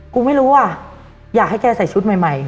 ไม่รู้อ่ะอยากให้แกใส่ชุดใหม่